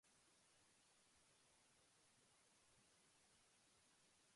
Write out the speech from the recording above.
Another advantage of the Internet is the vast amount of information available.